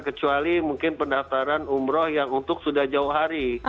kecuali mungkin pendaftaran umroh yang untuk sudah jauh hari